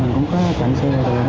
mình cũng có chặn xe vào đường